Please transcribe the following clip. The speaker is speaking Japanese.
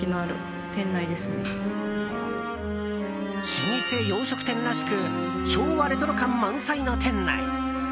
老舗洋食店らしく昭和レトロ感満載の店内。